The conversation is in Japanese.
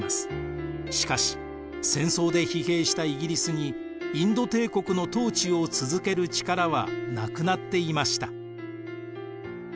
しかし戦争で疲弊したイギリスにインド帝国の統治を続ける力はなくなっていました。